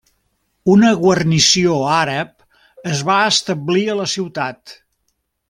Una guarnició àrab es va establir a la ciutat.